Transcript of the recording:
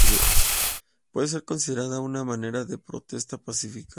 Puede ser considerada una manera de protesta pacífica.